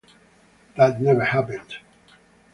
That never happened.